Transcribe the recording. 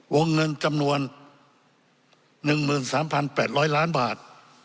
วงเงินจำนวน๑๓๘๐๐ล้านบาท